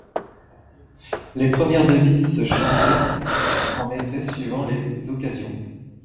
Les premières devises se changeaient en effet suivant les occasions.